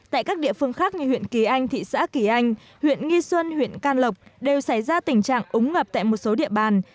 tại các địa phương khác như huyện kỳ anh thị xã kỳ anh huyện nghi xuân huyện can lộc đều xảy ra tình trạng ống ngập tại một số địa bàn